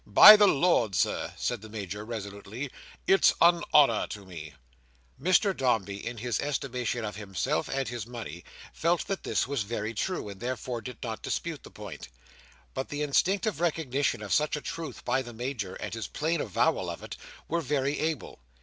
By the Lord, Sir," said the Major resolutely, "it's an honour to me!" Mr Dombey, in his estimation of himself and his money, felt that this was very true, and therefore did not dispute the point. But the instinctive recognition of such a truth by the Major, and his plain avowal of it, were very able.